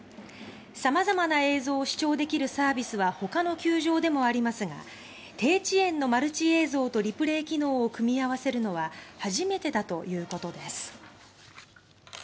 さまざまな映像を視聴できるサービスは他の球場でもありますが低遅延のマルチ映像とリプレイ機能を組み合わせるのは初めてだということです。